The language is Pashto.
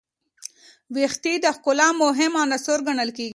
ویښتې د ښکلا مهم عنصر ګڼل کېږي.